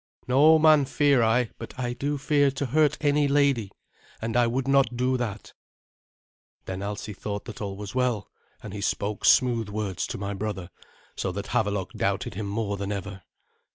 "No man fear I; but I do fear to hurt any lady, and I would not do that." Then Alsi thought that all was well, and he spoke smooth words to my brother, so that Havelok doubted him more than ever.